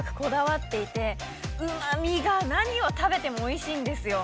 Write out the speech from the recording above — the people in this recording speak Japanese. うま味が何を食べてもおいしいんですよ。